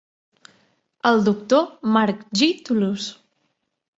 El doctor Mark G. Toulouse.